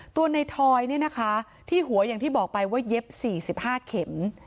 ตัวในทอยเนี่ยนะคะที่หัวอย่างที่บอกไปว่าเย็บ๔๕เข็ม